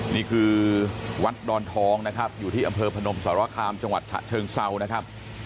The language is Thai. นี่คือวัดดอนทองนะครับอยู่ที่อำเภอพนมสารคามจังหวัดฉะเชิงเซานะครับ